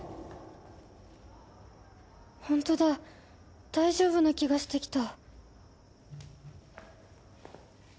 ホントだ大丈夫な気がしてきた